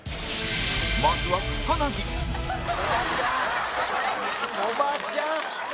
まずはおばちゃん。